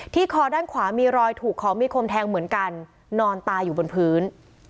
คอด้านขวามีรอยถูกของมีคมแทงเหมือนกันนอนตายอยู่บนพื้น